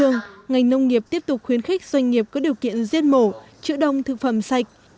ngành nông nghiệp tiếp tục khuyến khích doanh nghiệp có điều kiện giết mổ chữa đông thực phẩm sạch